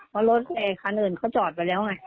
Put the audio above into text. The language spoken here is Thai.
เพราะรถคันอื่นเขาจอดไปแล้วไง